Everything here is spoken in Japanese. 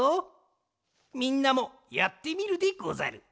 みんなもやってみるでござる！